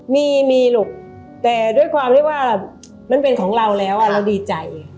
มีมีลูกแต่ด้วยความที่ว่ามันเป็นของเราแล้วเราดีใจ